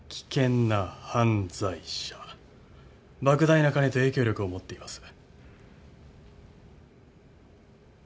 莫大な金と影響力を持っています。